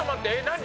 何？